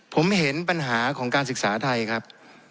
ผมเห็นปัญหาของการศึกษาไทยครับ